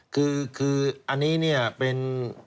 คืออันนี้เนี่ยเป็น